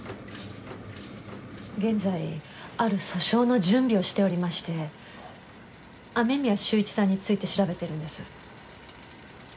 現在ある訴訟の準備をしておりまして雨宮秀一さんについて調べてるんです。